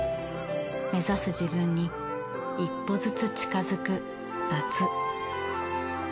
目指す自分に一歩ずつ近づく夏。